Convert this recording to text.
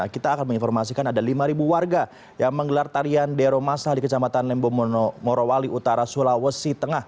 kita akan menginformasikan ada lima warga yang menggelar tarian dero masal di kecamatan lembomono morowali utara sulawesi tengah